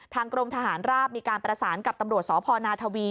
กรมทหารราบมีการประสานกับตำรวจสพนาทวี